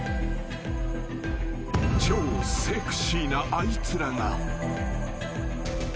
［超セクシーなあいつらが］